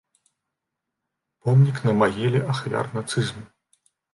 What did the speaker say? Помнік на магіле ахвяр нацызму.